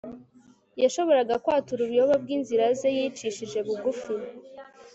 yashoboraga kwatura ubuyobe bw'inzira ze yicishije bugufi